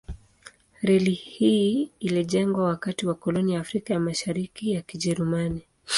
Reli hii ilijengwa wakati wa koloni ya Afrika ya Mashariki ya Kijerumani.